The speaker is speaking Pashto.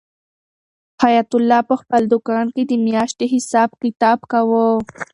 حیات الله په خپل دوکان کې د میاشتې حساب کتاب کاوه.